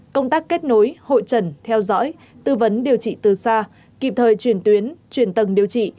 công tác kết nối hội trần theo dõi tư vấn điều trị từ xa kịp thời chuyển tuyến truyền tầng điều trị